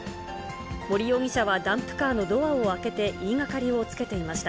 森容疑者はダンプカーのドアを開けて言いがかりをつけていました。